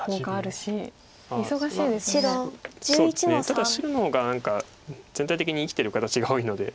ただ白の方が何か全体的に生きてる形が多いので。